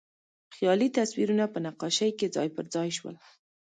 خیالي تصویرونه په نقاشۍ کې ځای پر ځای شول.